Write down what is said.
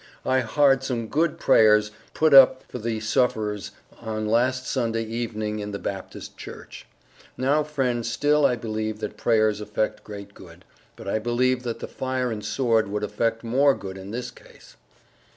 I hard some good Prayers put up for the suffers on last Sunday evening in the Baptist Church. Now friend still I beleve that Prayers affects great good, but I beleve that the fire and sword would affect more good in this case.